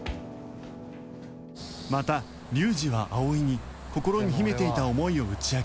また龍二は葵に心に秘めていた思いを打ち明ける